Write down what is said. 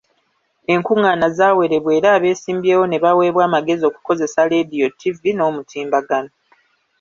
Enkungaana zaawerebwa era abeesimbyewo ne baweebwa amagezi okukozesa leediyo, ttivvi n'omutimbagano.